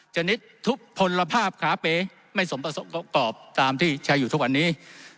ชนิดทุกผลภาพขาเป๋ไม่สมประกอบตามที่ใช้อยู่ทุกวันนี้